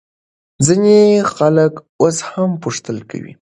ځینې خلک اوس هم پوښتل کوي.